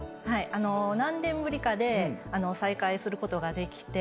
何年ぶりかで再会することができて。